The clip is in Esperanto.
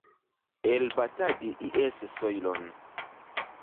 Elbatadi ies sojlon.